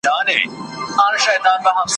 بد بوټۍ بلا نه وهي ,